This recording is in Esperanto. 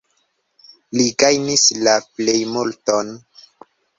Li gajnis la plejmulton.